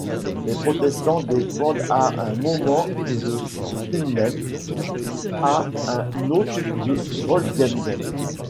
Les protestants dépendent à un moment de Kunheim, à un autre de Wolfgantzen.